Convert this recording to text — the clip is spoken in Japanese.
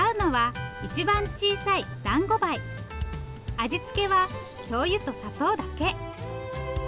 味付けはしょうゆと砂糖だけ。